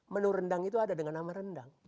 menu rendang itu ada dengan nama rendang